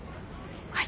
はい。